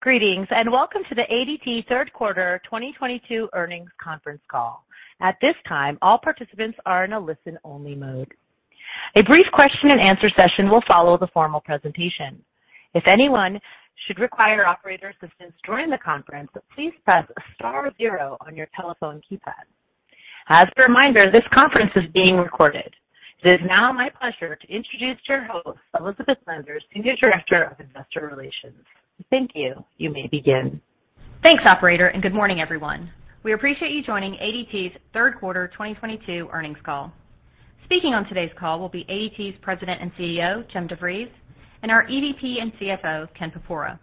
Greetings, and welcome to the ADT Q3 2022 Earnings Conference Call. At this time, all participants are in a listen-only mode. A brief Q&A session will follow the formal presentation. If anyone should require operator assistance during the conference, please press star zero on your telephone keypad. As a reminder, this conference is being recorded. It is now my pleasure to introduce your host, Elizabeth Landers, Senior Director of Investor Relations. Thank you. You may begin. Thanks, operator, and good morning, everyone. We appreciate you joining ADT's Q3 2022 Earnings Call. Speaking on today's call will be ADT's President and CEO, Jim DeVries, and our EVP and CFO, Ken Porpora.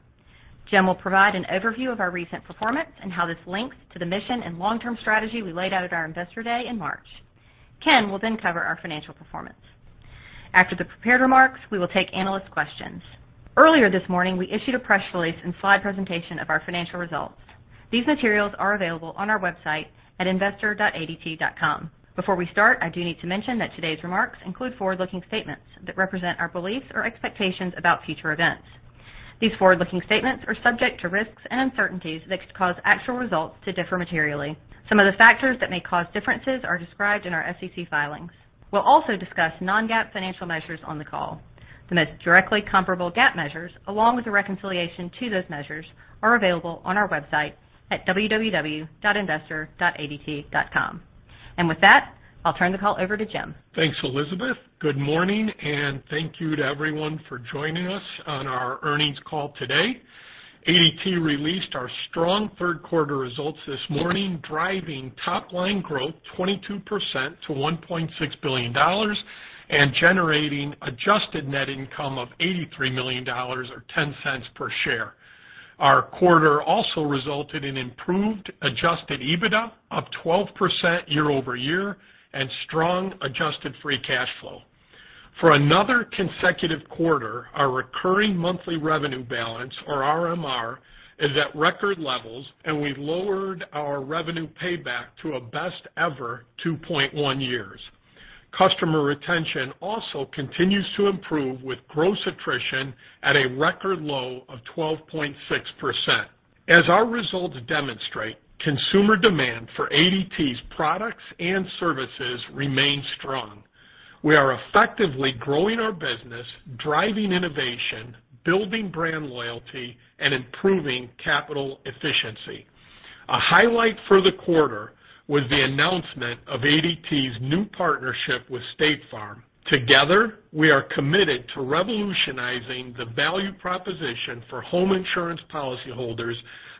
Jim will provide an overview of our recent performance and how this links to the mission and long-term strategy we laid out at our Investor Day in March. Ken will then cover our financial performance. After the prepared remarks, we will take analyst questions. Earlier this morning, we issued a press release and slide presentation of our financial results. These materials are available on our website at investor.adt.com. Before we start, I do need to mention that today's remarks include forward-looking statements that represent our beliefs or expectations about future events. These forward-looking statements are subject to risks and uncertainties that could cause actual results to differ materially. Some of the factors that may cause differences are described in our SEC filings. We'll also discuss non-GAAP financial measures on the call. The most directly comparable GAAP measures, along with the reconciliation to those measures, are available on our website at www.investor.adt.com. With that, I'll turn the call over to Jim. Thanks, Elizabeth. Good morning, and thank you to everyone for joining us on our earnings call today. ADT released our strong Q3 results this morning, driving top line growth 22% to $1.6 billion and generating adjusted net income of $83 million or $0.10 per share. Our quarter also resulted in improved adjusted EBITDA of 12% year-over-year and strong adjusted Free Cash Flow. For another consecutive quarter, our recurring monthly revenue balance, or RMR, is at record levels, and we've lowered our revenue payback to a best ever 2.1 years. Customer retention also continues to improve, with gross attrition at a record low of 12.6%. As our results demonstrate, consumer demand for ADT's products and services remains strong. We are effectively growing our business, driving innovation, building brand loyalty, and improving capital efficiency. A highlight for the quarter was the announcement of ADT's new partnership with State Farm. Together, we are committed to revolutionizing the value proposition for home insurance policyholders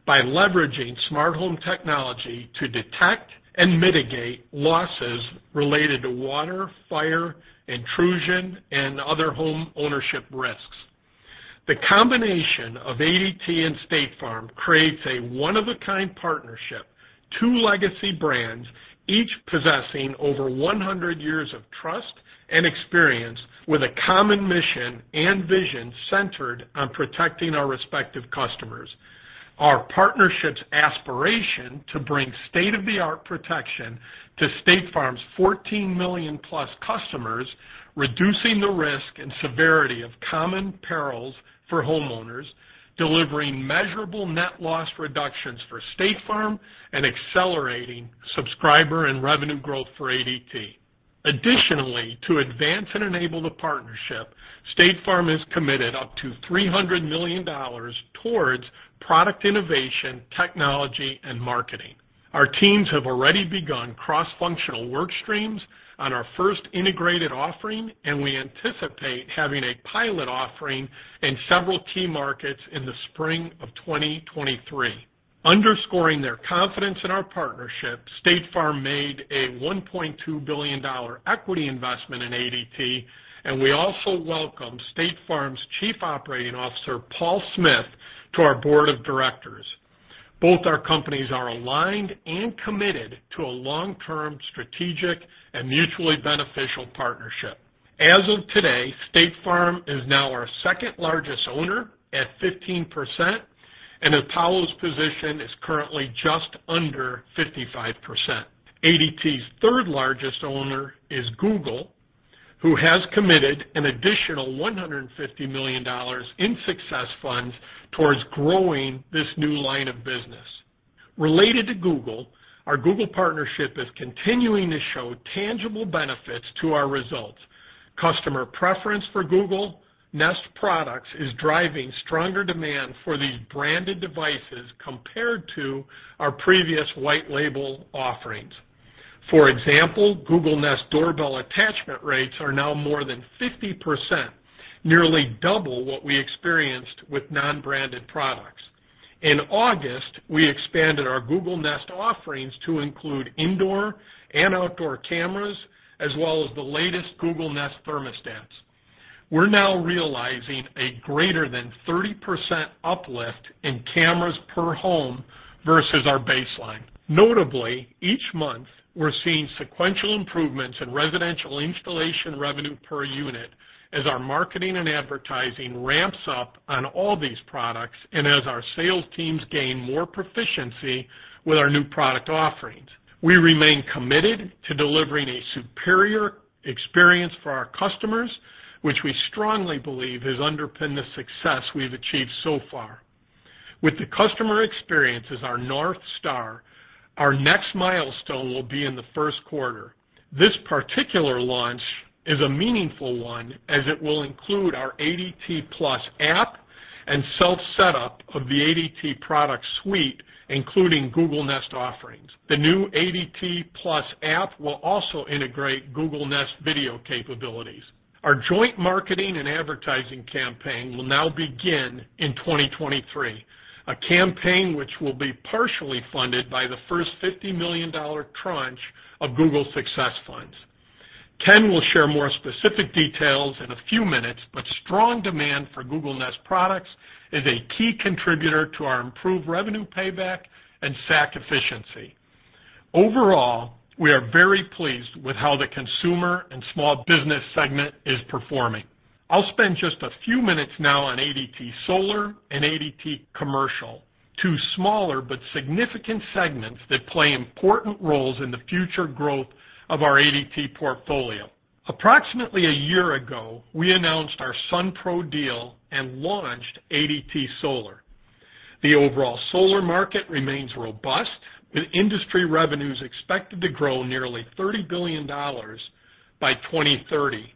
by leveraging smart home technology to detect and mitigate losses related to water, fire, intrusion, and other home ownership risks. The combination of ADT and State Farm creates a one-of-a-kind partnership, two legacy brands, each possessing over 100 years of trust and experience with a common mission and vision centered on protecting our respective customers. Our partnership's aspiration to bring state-of-the-art protection to State Farm's 14 million-plus customers, reducing the risk and severity of common perils for homeowners, delivering measurable net loss reductions for State Farm and accelerating subscriber and revenue growth for ADT. Additionally, to advance and enable the partnership, State Farm has committed up to $300 million towards product innovation, technology, and marketing. Our teams have already begun cross-functional work streams on our first integrated offering, and we anticipate having a pilot offering in several key markets in the spring of 2023. Underscoring their confidence in our partnership, State Farm made a $1.2 billion equity investment in ADT, and we also welcome State Farm's Chief Operating Officer, Paul Smith, to our board of directors. Both our companies are aligned and committed to a long-term strategic and mutually beneficial partnership. As of today, State Farm is now our second-largest owner at 15%, and Apollo's position is currently just under 55%. ADT's third-largest owner is Google, who has committed an additional $150 million in success funds towards growing this new line of business. Related to Google, our Google partnership is continuing to show tangible benefits to our results. Customer preference for Google Nest products is driving stronger demand for these branded devices compared to our previous white label offerings. For example, Google Nest doorbell attachment rates are now more than 50%, nearly double what we experienced with non-branded products. In August, we expanded our Google Nest offerings to include indoor and outdoor cameras, as well as the latest Google Nest thermostats. We're now realizing a greater than 30% uplift in cameras per home versus our baseline. Notably, each month, we're seeing sequential improvements in residential installation revenue per unit as our marketing and advertising ramps up on all these products and as our sales teams gain more proficiency with our new product offerings. We remain committed to delivering a superior experience for our customers, which we strongly believe has underpinned the success we've achieved so far. With the customer experience as our North Star, our next milestone will be in the Q1. This particular launch is a meaningful one, as it will include our ADT+ app and self-setup of the ADT product suite, including Google Nest offerings. The new ADT+ app will also integrate Google Nest video capabilities. Our joint marketing and advertising campaign will now begin in 2023, a campaign which will be partially funded by the first $50 million tranche of Google success funds. Ken will share more specific details in a few minutes, but strong demand for Google Nest products is a key contributor to our improved revenue payback and SAC efficiency. Overall, we are very pleased with how the consumer and small business segment is performing. I'll spend just a few minutes now on ADT Solar and ADT Commercial, two smaller but significant segments that play important roles in the future growth of our ADT portfolio. Approximately a year ago, we announced our Sunpro deal and launched ADT Solar. The overall solar market remains robust, with industry revenues expected to grow nearly $30 billion by 2030.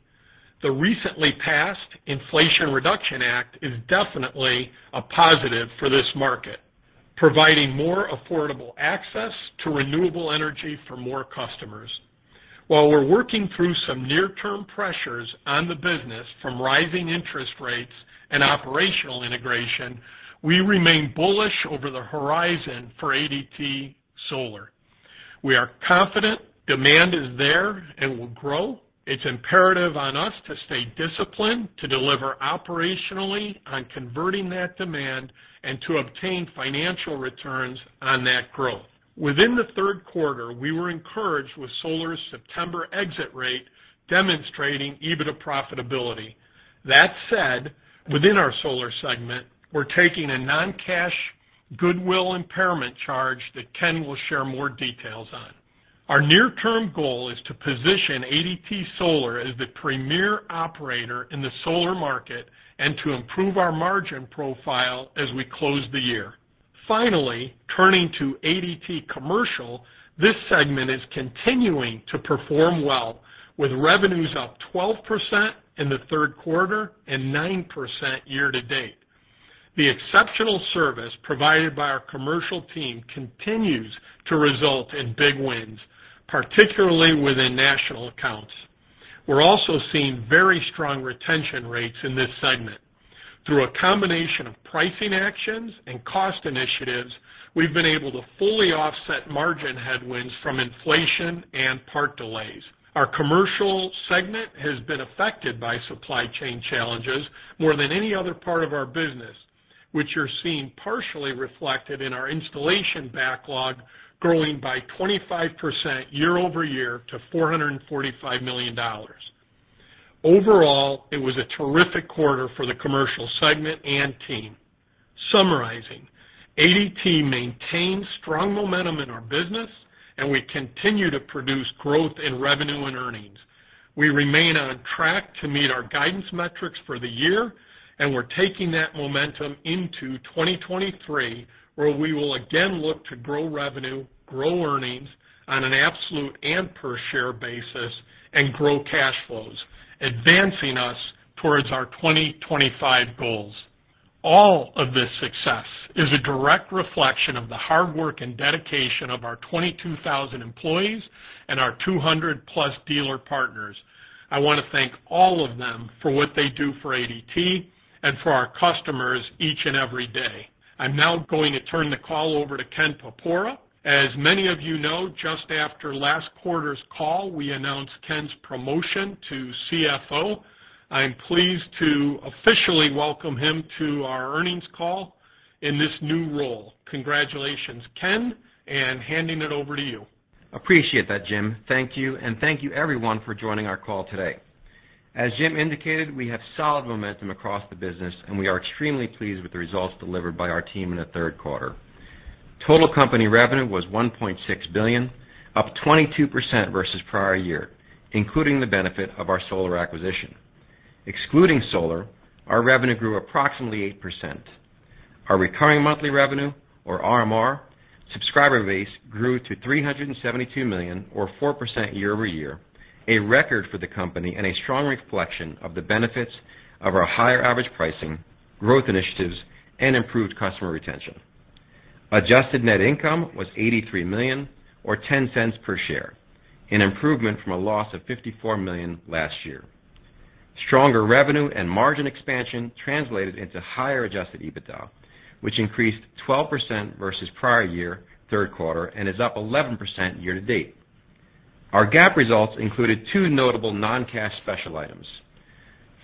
The recently passed Inflation Reduction Act is definitely a positive for this market, providing more affordable access to renewable energy for more customers. While we're working through some near-term pressures on the business from rising interest rates and operational integration, we remain bullish over the horizon for ADT Solar. We are confident demand is there and will grow. It's imperative on us to stay disciplined, to deliver operationally on converting that demand and to obtain financial returns on that growth. Within the Q3, we were encouraged with Solar's September exit rate, demonstrating EBITDA profitability. That said, within our solar segment, we're taking a non-cash goodwill impairment charge that Ken will share more details on. Our near-term goal is to position ADT Solar as the premier operator in the solar market and to improve our margin profile as we close the year. Finally, turning to ADT Commercial, this segment is continuing to perform well, with revenues up 12% in the Q3 and 9% year-to-date. The exceptional service provided by our commercial team continues to result in big wins, particularly within national accounts. We're also seeing very strong retention rates in this segment. Through a combination of pricing actions and cost initiatives, we've been able to fully offset margin headwinds from inflation and part delays. Our commercial segment has been affected by supply chain challenges more than any other part of our business, which are seen partially reflected in our installation backlog growing by 25% year-over-year to $445 million. Overall, it was a terrific quarter for the commercial segment and team. Summarizing, ADT maintains strong momentum in our business, and we continue to produce growth in revenue and earnings. We remain on track to meet our guidance metrics for the year, and we're taking that momentum into 2023, where we will again look to grow revenue, grow earnings on an absolute and per-share basis, and grow cash flows, advancing us toward our 2025 goals. All of this success is a direct reflection of the hard work and dedication of our 22,000 employees and our 200+ dealer partners. I want to thank all of them for what they do for ADT and for our customers each and every day. I'm now going to turn the call over to Ken Porpora. As many of you know, just after last quarter's call, we announced Ken's promotion to CFO. I'm pleased to officially welcome him to our earnings call in this new role. Congratulations, Ken, and handing it over to you. Appreciate that, Jim. Thank you, and thank you, everyone, for joining our call today. As Jim indicated, we have solid momentum across the business, and we are extremely pleased with the results delivered by our team in the Q3. Total company revenue was $1.6 billion, up 22% versus prior year, including the benefit of our Solar acquisition. Excluding Solar, our revenue grew approximately 8%. Our recurring monthly revenue, or RMR, subscriber base grew to $372 million or 4% year-over-year, a record for the company and a strong reflection of the benefits of our higher average pricing, growth initiatives, and improved customer retention. Adjusted net income was $83 million or $0.10 per share, an improvement from a loss of $54 million last year. Stronger revenue and margin expansion translated into higher adjusted EBITDA, which increased 12% versus prior year Q3 and is up 11% year-to-date. Our GAAP results included two notable non-cash special items.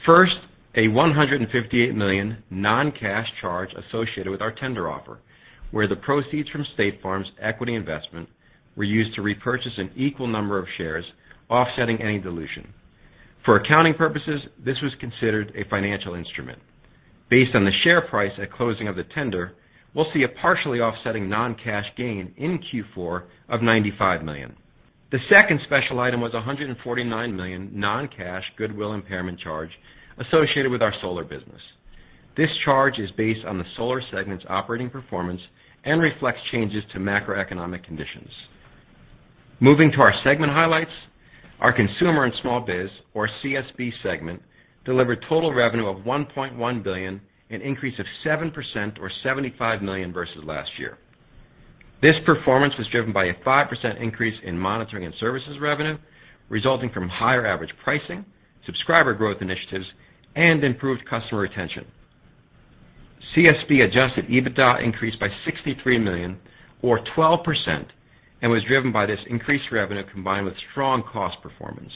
First, a $158 million non-cash charge associated with our tender offer, where the proceeds from State Farm's equity investment were used to repurchase an equal number of shares, offsetting any dilution. For accounting purposes, this was considered a financial instrument. Based on the share price at closing of the tender, we'll see a partially offsetting non-cash gain in Q4 of $95 million. The second special item was a $149 million non-cash goodwill impairment charge associated with our solar business. This charge is based on the solar segment's operating performance and reflects changes to macroeconomic conditions. Moving to our segment highlights. Our consumer and small biz or CSB segment delivered total revenue of $1.1 billion, an increase of 7% or $75 million versus last year. This performance was driven by a 5% increase in monitoring and services revenue, resulting from higher average pricing, subscriber growth initiatives, and improved customer retention. CSB adjusted EBITDA increased by $63 million or 12% and was driven by this increased revenue combined with strong cost performance.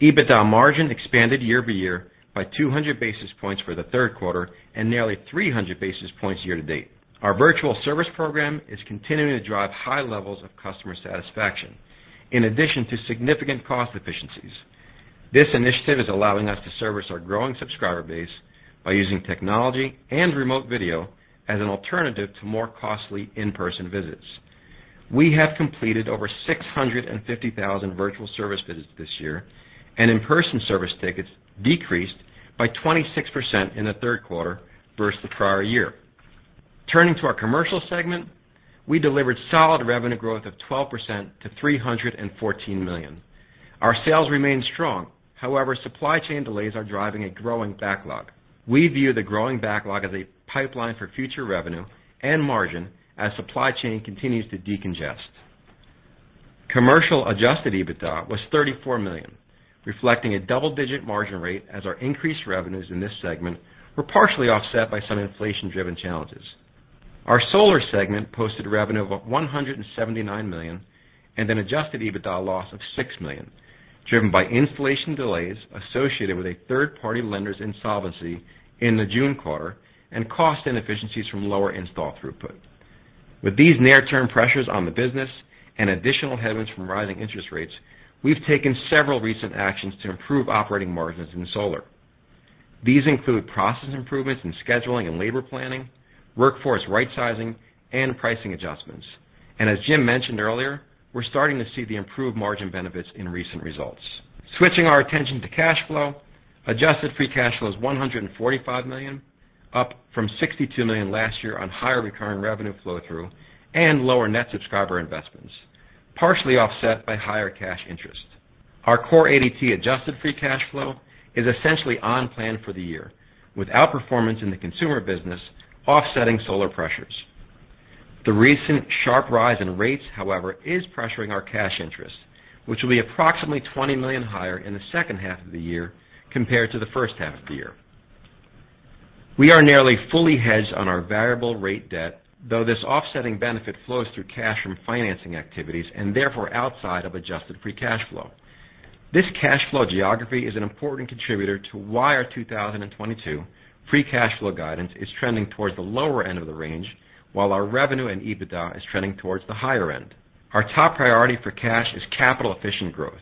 EBITDA margin expanded year-over-year by 200 basis points for the Q3 and nearly 300 basis points year-to-date. Our virtual service program is continuing to drive high levels of customer satisfaction in addition to significant cost efficiencies. This initiative is allowing us to service our growing subscriber base by using technology and remote video as an alternative to more costly in-person visits. We have completed over 650,000 virtual service visits this year, and in-person service tickets decreased by 26% in the Q3 versus the prior year. Turning to our commercial segment, we delivered solid revenue growth of 12% to $314 million. Our sales remain strong. However, supply chain delays are driving a growing backlog. We view the growing backlog as a pipeline for future revenue and margin as supply chain continues to decongest. Commercial adjusted EBITDA was $34 million, reflecting a double-digit margin rate as our increased revenues in this segment were partially offset by some inflation-driven challenges. Our solar segment posted revenue of $179 million and an adjusted EBITDA loss of $6 million, driven by installation delays associated with a third-party lender's insolvency in the June quarter and cost inefficiencies from lower install throughput. With these near-term pressures on the business and additional headwinds from rising interest rates, we've taken several recent actions to improve operating margins in solar. These include process improvements in scheduling and labor planning, workforce rightsizing, and pricing adjustments. As Jim mentioned earlier, we're starting to see the improved margin benefits in recent results. Switching our attention to cash flow. Adjusted Free Cash Flow is $145 million, up from $62 million last year on higher recurring revenue flow-through and lower net subscriber investments, partially offset by higher cash interest. Our core ADT adjusted Free Cash Flow is essentially on plan for the year, with outperformance in the consumer business offsetting solar pressures. The recent sharp rise in rates, however, is pressuring our cash interest, which will be approximately $20 million higher in the second half of the year compared to the first half of the year. We are nearly fully hedged on our variable rate debt, though this offsetting benefit flows through cash from financing activities and therefore outside of adjusted Free Cash Flow. This cash flow geography is an important contributor to why our 2022 Free Cash Flow guidance is trending towards the lower-end of the range, while our revenue and EBITDA is trending towards the higher end. Our top priority for cash is capital-efficient growth.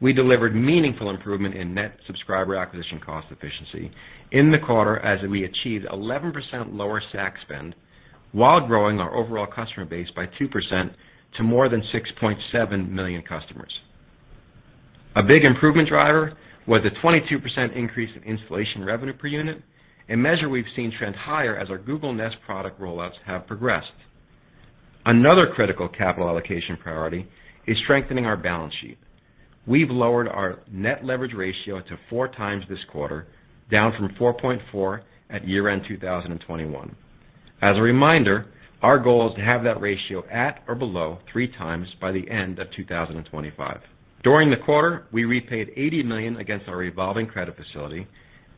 We delivered meaningful improvement in net subscriber acquisition cost efficiency in the quarter as we achieved 11% lower SAC spend while growing our overall customer base by 2% to more than 6.7 million customers. A big improvement driver was a 22% increase in installation revenue per unit, a measure we've seen trend higher as our Google Nest product rollouts have progressed. Another critical capital allocation priority is strengthening our balance sheet. We've lowered our net leverage ratio to 4x this quarter, down from 4.4x at year end 2021. As a reminder, our goal is to have that ratio at or below 3x by the end of 2025. During the quarter, we repaid $80 million against our revolving credit facility,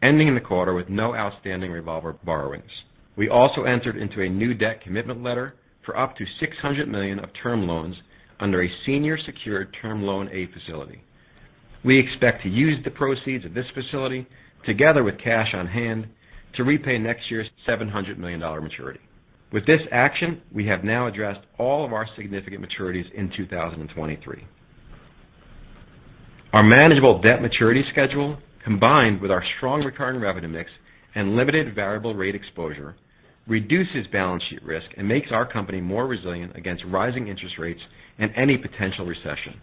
ending the quarter with no outstanding revolver borrowings. We also entered into a new debt commitment letter for up to $600 million of term loans under a senior secured Term Loan A facility. We expect to use the proceeds of this facility together with cash on hand to repay next year's $700 million maturity. With this action, we have now addressed all of our significant maturities in 2023. Our manageable debt maturity schedule, combined with our strong recurring revenue mix and limited variable rate exposure, reduces balance sheet risk and makes our company more resilient against rising interest rates and any potential recession.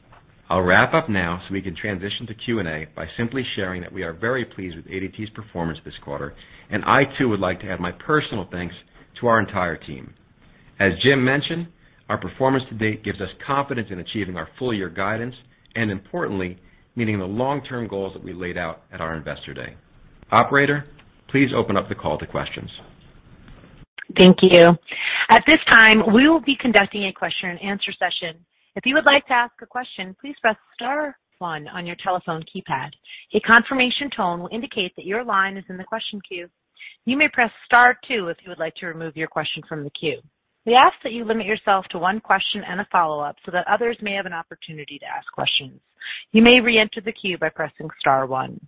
I'll wrap up now so we can transition to Q&A by simply sharing that we are very pleased with ADT's performance this quarter, and I too would like to add my personal thanks to our entire team. As Jim mentioned, our performance-to-date gives us confidence in achieving our full year guidance and importantly, meeting the long-term goals that we laid out at our Investor Day. Operator, please open up the call to questions. Thank you. At this time, we will be conducting a Q&A session. If you would like to ask a question, please press star one on your telephone keypad. A confirmation tone will indicate that your line is in the question queue. You may press star two if you would like to remove your question from the queue. We ask that you limit yourself to one question and a follow-up so that others may have an opportunity to ask questions. You may reenter the queue by pressing star one.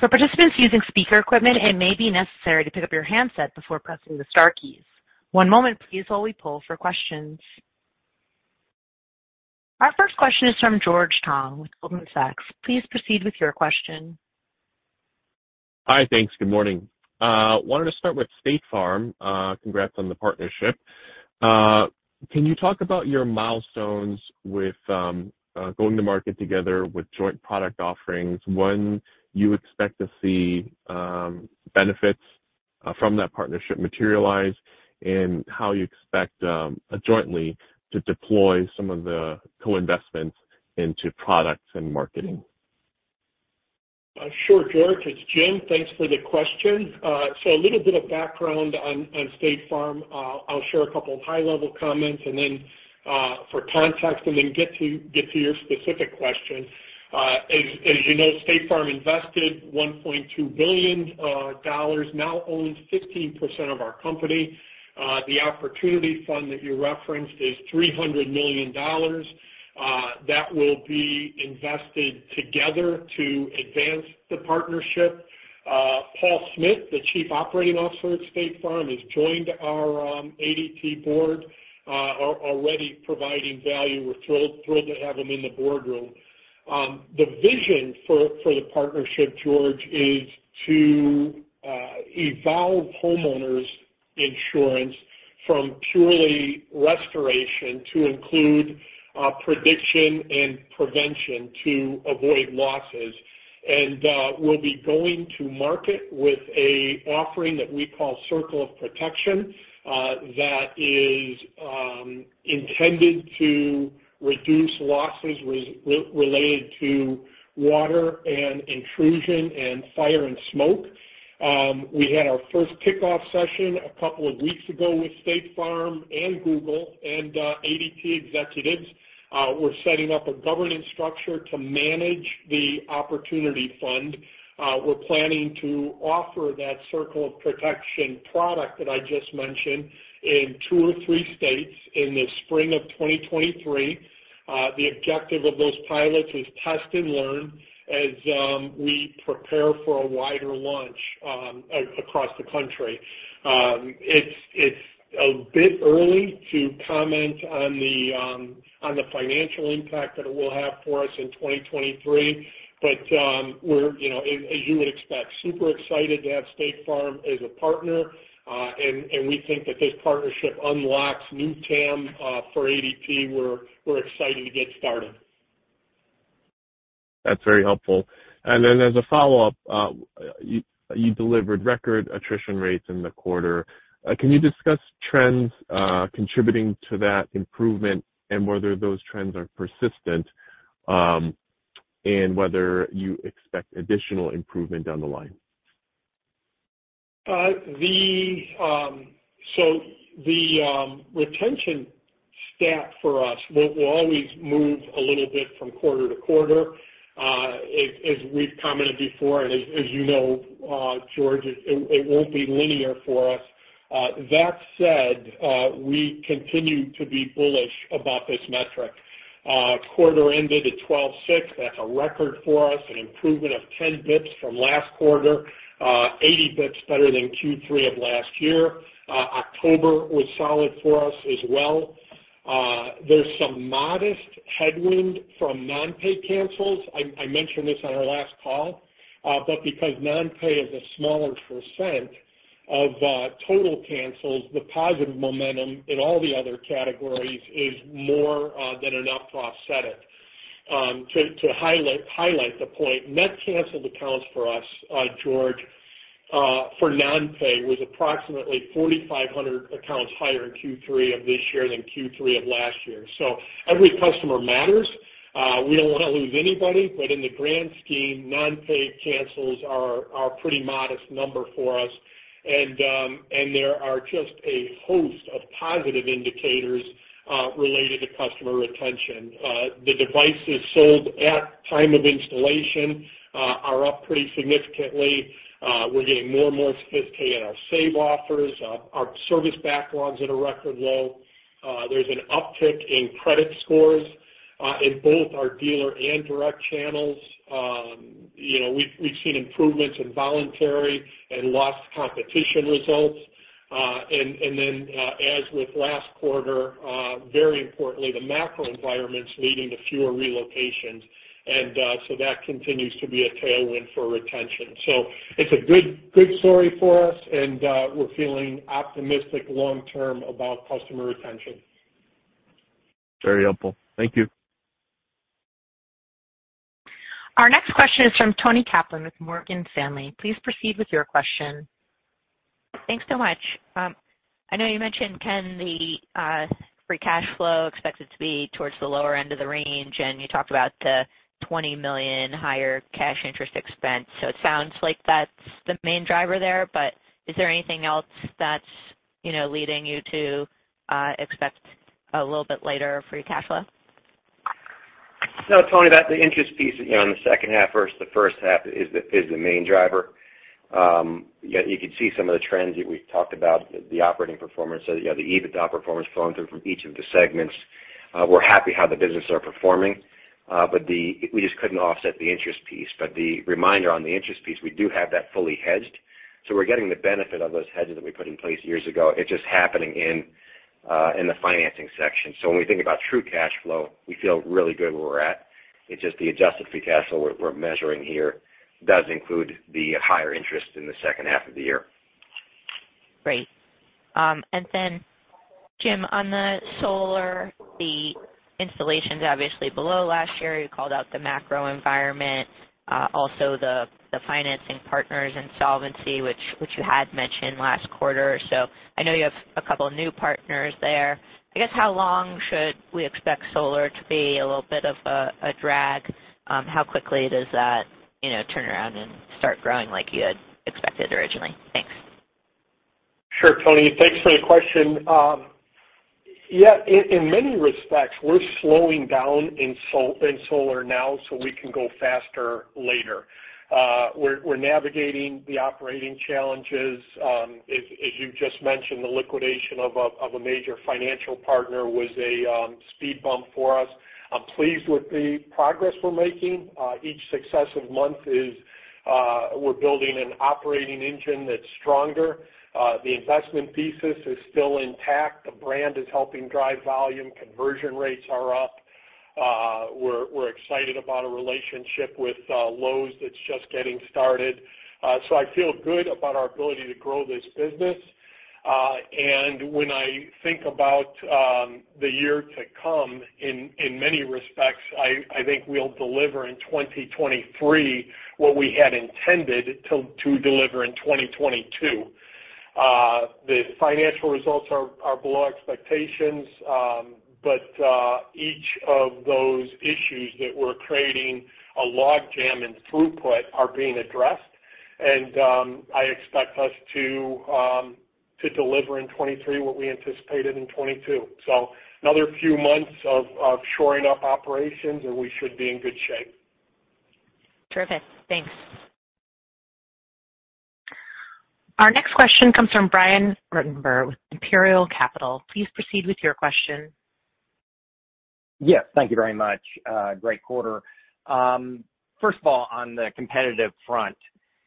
For participants using speaker equipment, it may be necessary to pick up your handset before pressing the star keys. One moment please while we poll for questions. Our first question is from George Tong with Goldman Sachs. Please proceed with your question. Hi, thanks. Good morning. Wanted to start with State Farm. Congrats on the partnership. Can you talk about your milestones with going to market together with joint product offerings, when you expect to see benefits from that partnership materialize, and how you expect jointly to deploy some of the co-investments into products and marketing? Sure, George. It's Jim. Thanks for the question. So a little bit of background on State Farm. I'll share a couple of high-level comments and then for context get to your specific question. As you know, State Farm invested $1.2 billion, now owns 15% of our company. The opportunity fund that you referenced is $300 million that will be invested together to advance the partnership. Paul Smith, the Chief Operating Officer at State Farm, has joined our ADT board, already providing value. We're thrilled to have him in the boardroom. The vision for the partnership, George, is to evolve homeowners insurance from purely restoration to include prediction and prevention to avoid losses. We'll be going to market with an offering that we call Circle of Protection, that is intended to reduce losses related to water and intrusion and fire and smoke. We had our first kickoff session a couple of weeks ago with State Farm and Google and ADT executives. We're setting up a governance structure to manage the opportunity fund. We're planning to offer that Circle of Protection product that I just mentioned in two or three states in the spring of 2023. The objective of those pilots is test and learn as we prepare for a wider launch across the country. It's a bit early to comment on the financial impact that it will have for us in 2023, but we're, you know, as you would expect, super excited to have State Farm as a partner. We think that this partnership unlocks new TAM for ADT. We're excited to get started. That's very helpful. As a follow-up, you delivered record attrition rates in the quarter. Can you discuss trends contributing to that improvement and whether those trends are persistent, and whether you expect additional improvement down the line? Retention stat for us will always move a little bit from quarter-to-quarter. As we've commented before and as you know, George, it won't be linear for us. That said, we continue to be bullish about this metric. Quarter ended at 12.6%. That's a record for us, an improvement of 10 BPS from last quarter, 80 BPS better than Q3 of last year. October was solid for us as well. There's some modest headwind from non-pay cancels. I mentioned this on our last call. Because non-pay is a smaller percent of total cancels, the positive momentum in all the other categories is more than enough to offset it. To highlight the point, net canceled accounts for us, George, for non-pay was approximately 4,500 accounts higher in Q3 of this year than Q3 of last year. Every customer matters. We don't wanna lose anybody, but in the grand scheme, non-pay cancels are pretty modest number for us. There are just a host of positive indicators related to customer retention. The devices sold at time of installation are up pretty significantly. We're getting more and more success in our save offers. Our service backlogs at a record low. There's an uptick in credit scores in both our dealer and direct channels. You know, we've seen improvements in voluntary and lost competition results. As with last quarter, very importantly, the macro environment's leading to fewer relocations. That continues to be a tailwind for retention. It's a good story for us and we're feeling optimistic long-term about customer retention. Very helpful. Thank you. Our next question is from Toni Kaplan with Morgan Stanley. Please proceed with your question. Thanks so much. I know you mentioned, Ken, the Free Cash Flow expected to be towards the lower-end of the range, and you talked about the $20 million higher cash interest expense. It sounds like that's the main driver there, but is there anything else that's, you know, leading you to expect a little bit later Free Cash Flow? No, Toni, that's the interest piece, you know, in the second half versus the first half is the main driver. You know, you could see some of the trends that we've talked about, the operating performance. You have the EBITDA performance flowing through from each of the segments. We're happy how the business are performing, but we just couldn't offset the interest piece. The reminder on the interest piece, we do have that fully hedged. We're getting the benefit of those hedges that we put in place years ago. It's just happening in the financing section. When we think about true cash flow, we feel really good where we're at. It's just the adjusted Free Cash Flow we're measuring here does include the higher interest in the second half of the year. Great. Jim, on the solar, the installations obviously below last year. You called out the macro environment, also the financing partners insolvency, which you had mentioned last quarter. I know you have a couple of new partners there. I guess, how long should we expect solar to be a little bit of a drag? How quickly does that, you know, turn around and start growing like you had expected originally? Thanks. Sure, Toni. Thanks for the question. Yeah, in many respects, we're slowing down in solar now, so we can go faster later. We're navigating the operating challenges. As you just mentioned, the liquidation of a major financial partner was a speed bump for us. I'm pleased with the progress we're making. Each successive month, we're building an operating engine that's stronger. The investment thesis is still intact. The brand is helping drive volume. Conversion rates are up. We're excited about a relationship with Lowe's that's just getting started. So I feel good about our ability to grow this business. When I think about the year to come, in many respects, I think we'll deliver in 2023 what we had intended to deliver in 2022. The financial results are below expectations, but each of those issues that were creating a log jam in throughput are being addressed. I expect us to deliver in 2023 what we anticipated in 2022. Another few months of shoring up operations, and we should be in good shape. Terrific. Thanks. Our next question comes from Brian Ruttenbur with Imperial Capital. Please proceed with your question. Yes, thank you very much. Great quarter. First of all, on the competitive front,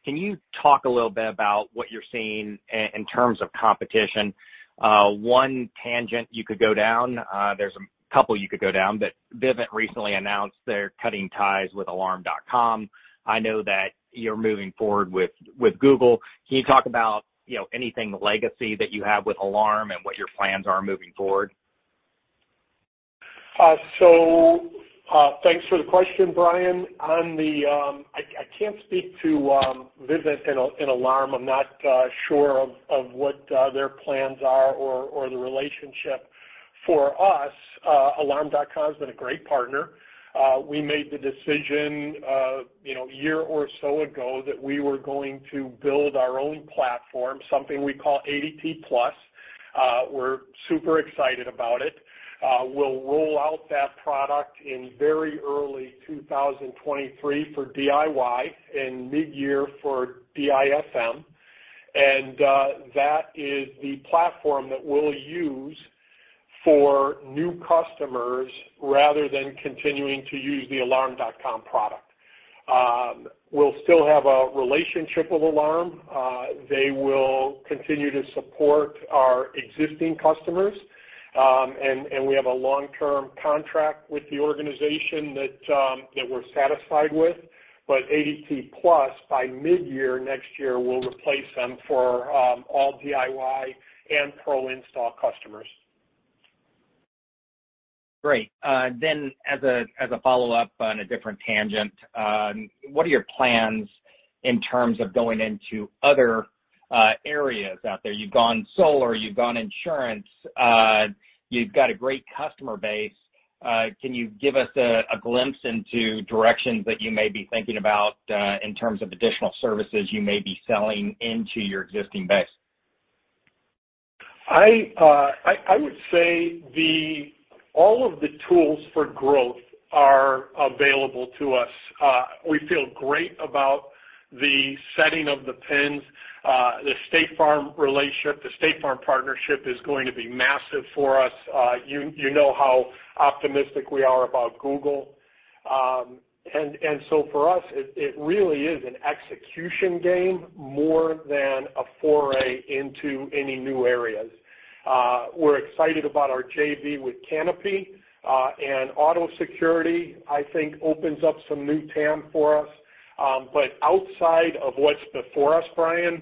can you talk a little bit about what you're seeing in terms of competition? One tangent you could go down, there's a couple you could go down, but Vivint recently announced they're cutting ties with Alarm.com. I know that you're moving forward with Google. Can you talk about, you know, anything legacy that you have with Alarm and what your plans are moving forward? Thanks for the question, Brian. I can't speak to Vivint and Alarm.com. I'm not sure of what their plans are or the relationship. For us, Alarm.com has been a great partner. We made the decision, you know, a year or so ago that we were going to build our own platform, something we call ADT+. We're super excited about it. We'll roll out that product in very early 2023 for DIY and mid-year for DIFM. That is the platform that we'll use for new customers rather than continuing to use the Alarm.com product. We'll still have a relationship with Alarm.com. They will continue to support our existing customers, and we have a long-term contract with the organization that we're satisfied with. ADT+, by mid-year next year, will replace them for all DIY and pro install customers. Great. As a follow-up on a different tangent, what are your plans in terms of going into other areas out there? You've gone solar, you've gone insurance, you've got a great customer base. Can you give us a glimpse into directions that you may be thinking about in terms of additional services you may be selling into your existing base? I would say all of the tools for growth are available to us. We feel great about the setting of the pins. The State Farm relationship, the State Farm partnership is going to be massive for us. You know how optimistic we are about Google. For us, it really is an execution game more than a foray into any new areas. We're excited about our JV with Canopy, and auto security, I think opens up some new TAM for us. Outside of what's before us, Brian,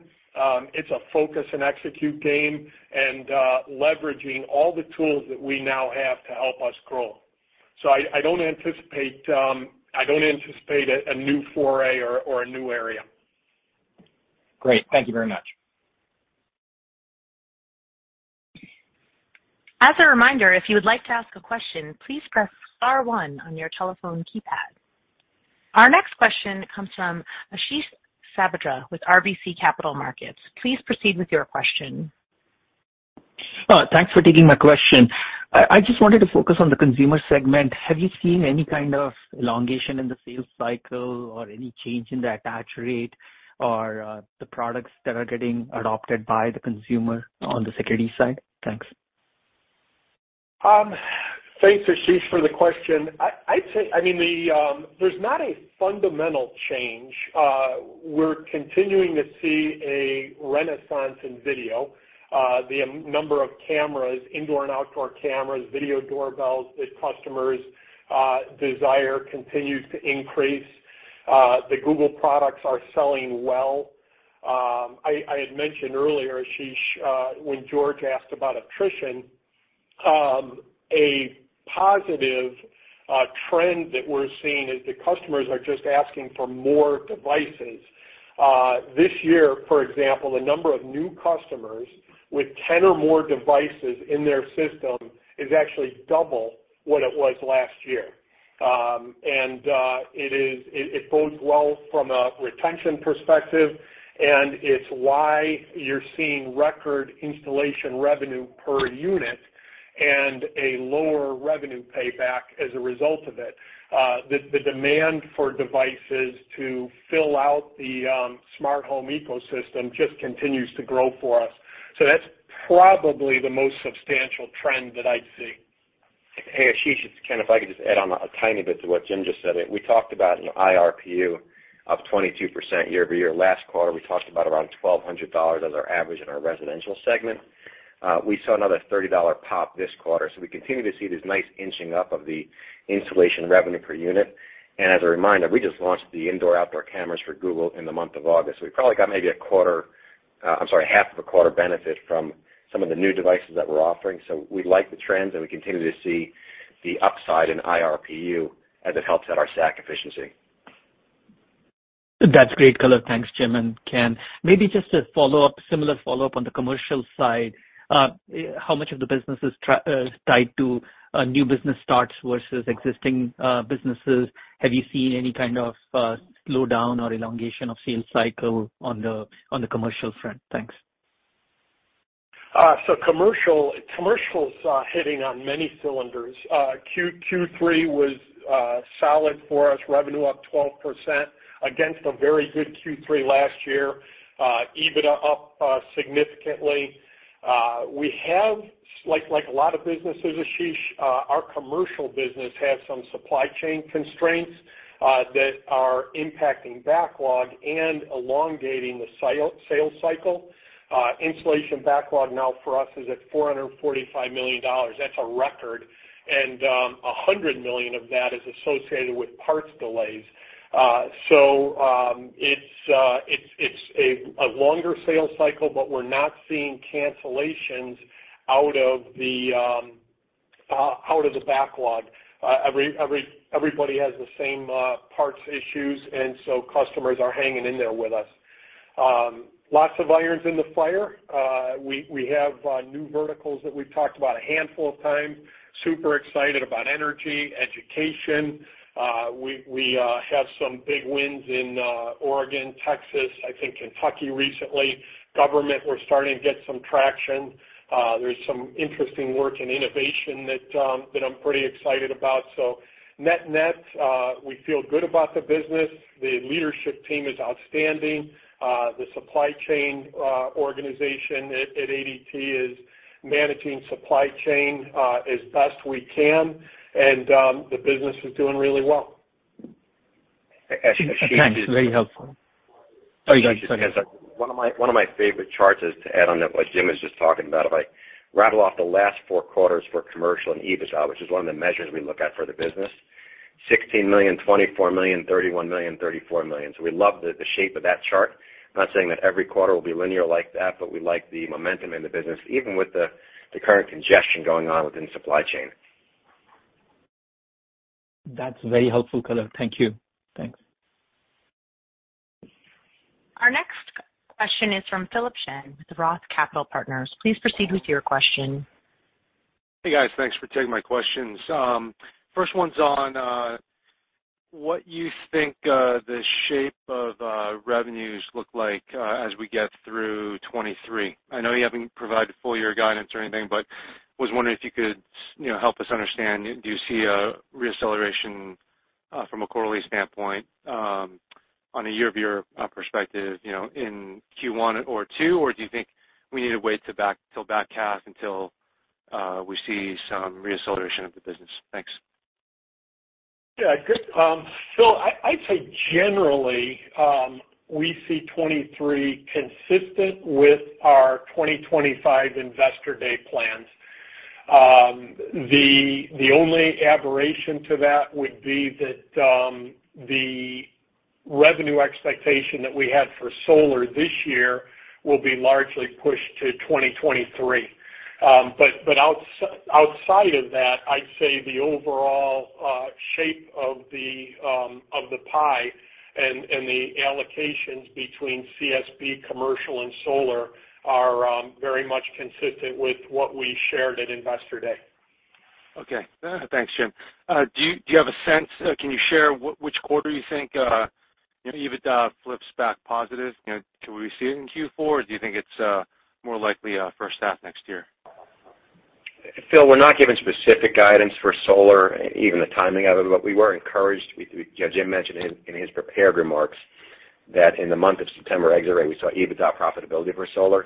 it's a focus and execute game and leveraging all the tools that we now have to help us grow. I don't anticipate a new foray or a new area. Great. Thank you very much. As a reminder, if you would like to ask a question, please press star one on your telephone keypad. Our next question comes from Ashish Sabadra with RBC Capital Markets. Please proceed with your question. Thanks for taking my question. I just wanted to focus on the consumer segment. Have you seen any kind of elongation in the sales cycle or any change in the attach rate or, the products that are getting adopted by the consumer on the security side? Thanks. Thanks, Ashish, for the question. I'd say, I mean, there's not a fundamental change. We're continuing to see a renaissance in video. The number of cameras, indoor and outdoor cameras, video doorbells that customers desire continues to increase. The Google products are selling well. I had mentioned earlier, Ashish, when George asked about attrition, a positive trend that we're seeing is that customers are just asking for more devices. This year, for example, the number of new customers with 10 or more devices in their system is actually double what it was last year. It bodes well from a retention perspective, and it's why you're seeing record installation revenue per unit and a lower revenue payback as a result of it. The demand for devices to fill out the smart home ecosystem just continues to grow for us. That's probably the most substantial trend that I'd see. Hey, Ashish, it's Ken. If I could just add on a tiny bit to what Jim just said. We talked about an IRPU of 22% year-over-year. Last quarter, we talked about around $1,200 as our average in our residential segment. We saw another $30 pop this quarter, so we continue to see this nice inching up of the installation revenue per unit. As a reminder, we just launched the indoor/outdoor cameras for Google in the month of August. We probably got maybe a quarter, I'm sorry, half of a quarter benefit from some of the new devices that we're offering. We like the trends, and we continue to see the upside in IRPU as it helps out our SAC efficiency. That's great color. Thanks, Jim and Ken. Maybe just a follow-up, similar follow-up on the commercial side. How much of the business is tied to new business starts versus existing businesses? Have you seen any kind of slowdown or elongation of sales cycle on the commercial front? Thanks. Commercial's hitting on many cylinders. Q3 was solid for us, revenue up 12% against a very good Q3 last year. EBITDA up significantly. We have, like, a lot of businesses, Ashish, our commercial business has some supply chain constraints that are impacting backlog and elongating the sales cycle. Installation backlog now for us is at $445 million. That's a record. $100 million of that is associated with parts delays. It's a longer sales cycle, but we're not seeing cancellations out of the backlog. Everybody has the same parts issues, and so customers are hanging in there with us. Lots of irons in the fire. We have new verticals that we've talked about a handful of times. Super excited about energy, education. We have some big wins in Oregon, Texas, I think Kentucky recently. Government, we're starting to get some traction. There's some interesting work in innovation that I'm pretty excited about. Net-net, we feel good about the business. The leadership team is outstanding. The supply chain organization at ADT is managing supply chain as best we can, and the business is doing really well. Thanks. Very helpful. Oh, go ahead, sorry. One of my favorite charts is to add on to what Jim was just talking about. If I rattle off the last four quarters for commercial and EBITDA, which is one of the measures we look at for the business, $16 million, $24 million, $31 million, $34 million. We love the shape of that chart. Not saying that every quarter will be linear like that, but we like the momentum in the business, even with the current congestion going on within supply chain. That's very helpful color. Thank you. Thanks. Our next question is from Philip Shen with Roth Capital Partners. Please proceed with your question. Hey, guys. Thanks for taking my questions. First one's on what you think the shape of revenues look like as we get through 2023. I know you haven't provided full year guidance or anything, but was wondering if you could, you know, help us understand, do you see a re-acceleration from a quarterly standpoint on a year-over-year perspective, you know, in Q1 or 2? Or do you think we need to wait till back half until we see some re-acceleration of the business? Thanks. Yeah, good. Phil, I'd say generally, we see 2023 consistent with our 2025 Investor Day plans. The only aberration to that would be that, the revenue expectation that we had for solar this year will be largely pushed to 2023. Outside of that, I'd say the overall shape of the pie and the allocations between CSB commercial and solar are very much consistent with what we shared at Investor Day. Okay. Thanks, Jim. Do you have a sense, can you share which quarter you think, you know, EBITDA flips back positive? You know, can we see it in Q4, or do you think it's more likely first half next year? Philip, we're not giving specific guidance for solar, even the timing of it, but we were encouraged. You know, Jim mentioned in his prepared remarks that in the month of September, ext rate, we saw EBITDA profitability for solar.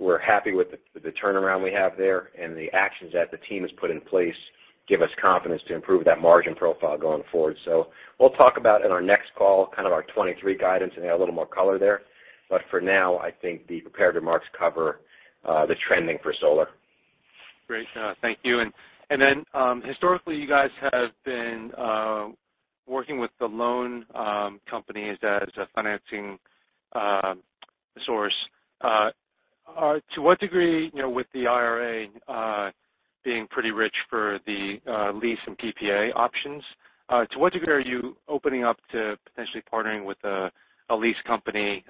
We're happy with the turnaround we have there and the actions that the team has put in place give us confidence to improve that margin profile going forward. We'll talk about in our next call kind of our 2023 guidance and add a little more color there. For now, I think the prepared remarks cover the trending for solar. Great. Thank you. Historically, you guys have been working with the loan companies as a financing source. To what degree, you know, with the IRA being pretty rich for the lease and PPA options, to what degree are you opening up to potentially partnering with a lease company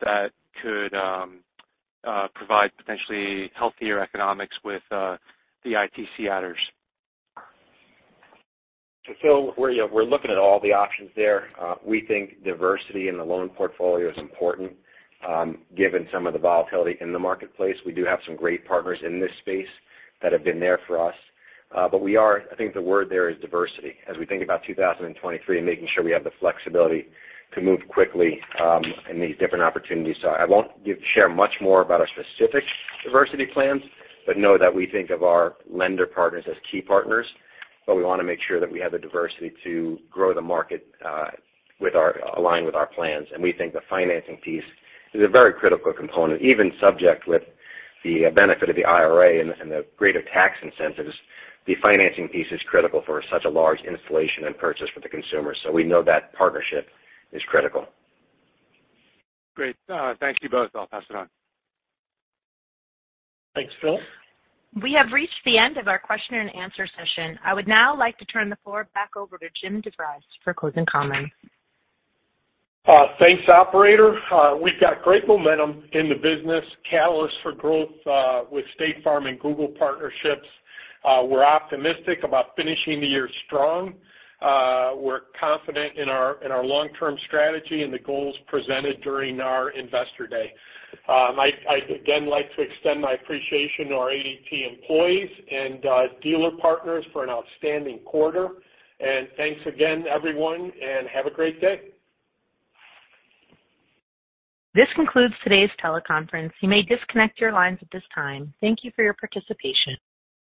that could provide potentially healthier economics with the ITC adders? Philip, you know, we're looking at all the options there. We think diversity in the loan portfolio is important, given some of the volatility in the marketplace. We do have some great partners in this space that have been there for us. I think the word there is diversity as we think about 2023 and making sure we have the flexibility to move quickly, in these different opportunities. I won't share much more about our specific diversity plans, but know that we think of our lender partners as key partners, but we wanna make sure that we have the diversity to grow the market, aligned with our plans. We think the financing piece is a very critical component. Even with the benefit of the IRA and the greater tax incentives, the financing piece is critical for such a large installation and purchase for the consumer. We know that partnership is critical. Great. Thank you both. I'll pass it on. Thanks, Phil. We have reached the end of our Q&A session. I would now like to turn the floor back over to Jim DeVries for closing comments. Thanks, operator. We've got great momentum in the business, catalyst for growth with State Farm and Google partnerships. We're optimistic about finishing the year strong. We're confident in our long-term strategy and the goals presented during our Investor Day. I'd again like to extend my appreciation to our ADT employees and dealer partners for an outstanding quarter. Thanks again, everyone, and have a great day. This concludes today's teleconference. You may disconnect your lines at this time. Thank you for your participation.